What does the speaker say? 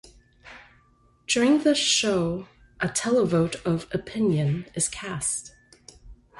During the show a televote of opinion is cast.